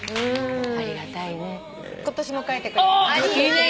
ありがたいね。